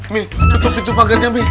mi ketep itu pagannya mi